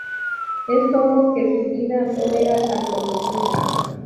Es solo que su vida no era tan conocida".